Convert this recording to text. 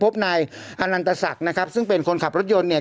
พบนายอนันตศักดิ์นะครับซึ่งเป็นคนขับรถยนต์เนี่ย